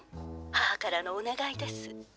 母からのおねがいです。